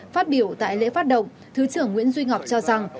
phát biểu tại lễ phát động thứ trưởng nguyễn duy ngọc cho rằng